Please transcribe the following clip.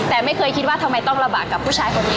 แต่ไม่เคยคิดว่าทำไมต้องระบากกับผู้ชายคนนี้